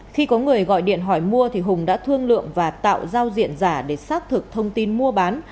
khi có người gọi điện hỏi mua thì hùng đã thương lượng và tạo giao diện giả để xác thực thông tin mua bán